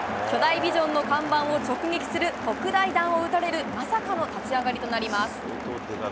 巨大ビジョンの看板を直撃する特大弾を打たれるまさかの立ち上がりとなります。